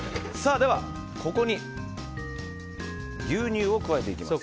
では、ここに牛乳を加えます。